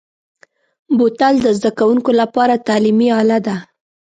بوتل د زده کوونکو لپاره تعلیمي اله ده.